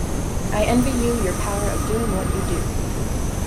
I envy you your power of doing what you do.